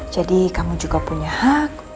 jadi kamu juga punya hak